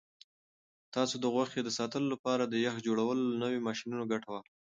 تاسو د غوښې د ساتلو لپاره د یخ جوړولو له نویو ماشینونو ګټه واخلئ.